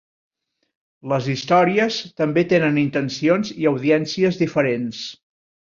Les històries també tenen intencions i audiències diferents.